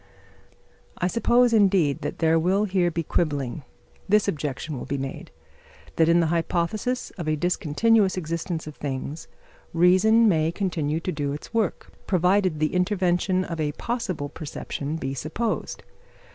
I suppose, indeed, that there will here be quibbling. This objection will be made: that in the hypothesis of a discontinuous existence of things, reason may continue to do its work, provided the intervention of a possible perception be supposed.